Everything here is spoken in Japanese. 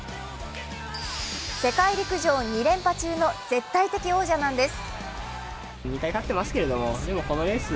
世界陸上２連覇中の絶対的王者なんです。